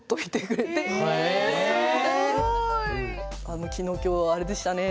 「あの昨日今日あれでしたね」